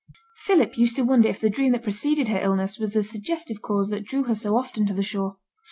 Philip used to wonder if the dream that preceded her illness was the suggestive cause that drew her so often to the shore.